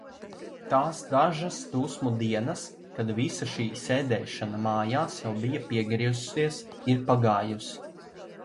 Tās dažas dusmu dienas, kad visa šī sēdēšana mājās jau bija piegriezusies, ir pagājusi.